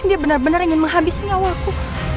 dia benar benar ingin menghabisi nyawaku